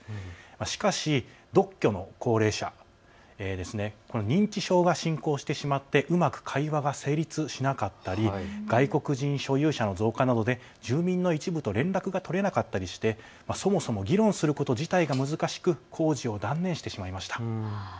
しかし独居の高齢者、認知症が進行してしまってうまく会話が成立しなかったり外国人所有者の増加などで住民の一部と連絡が取れなかったりしてそもそも議論することが難しく工事を断念してしまいました。